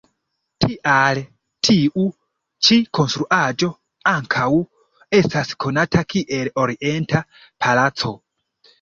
Tial, tiu ĉi konstruaĵo ankaŭ estas konata kiel Orienta Palaco.